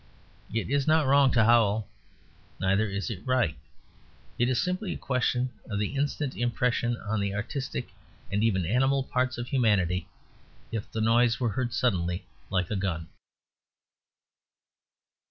It is not wrong to howl. Neither is it right. It is simply a question of the instant impression on the artistic and even animal parts of humanity, if the noise were heard suddenly like a gun.